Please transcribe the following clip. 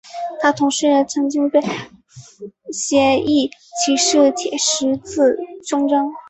他同时也曾经被授予骑士铁十字勋章。